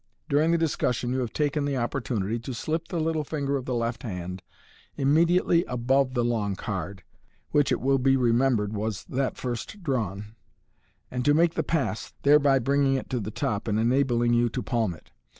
During the discussion you have taken the opportunity to slip the little finger of the left hand immediately above the long card (which, it will be remembered, was that first drawn), and to make the pass, thereby bringing it to the top, and enabling you to palm it.